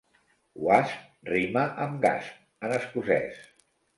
"Wasp" rima amb "gasp" en escocès.